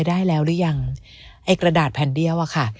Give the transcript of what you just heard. ไกระดาษนังเหล็ก